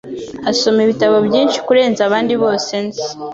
asoma ibitabo byinshi kurenza abandi bose nzi